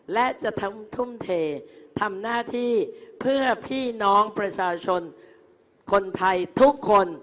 และจะทั้งทุ่มเททำหน้าที่เพื่อพี่น้องประชาชนคนไทยทุกคน